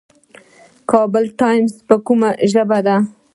کابل ټایمز په کومه ژبه ده؟